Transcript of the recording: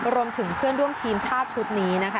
รวมถึงเพื่อนร่วมทีมชาติชุดนี้นะคะ